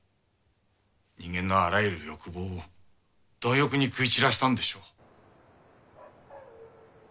人間のあらゆる欲望を貪欲に食い散らしたんでしょう。